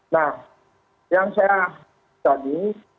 nah yang saya tadi